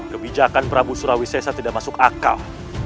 kebijakan prabu surawi sesa tidak masuk akal